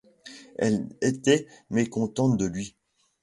Elle était mécontente de lui.